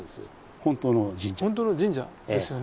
本当の神社ですよね。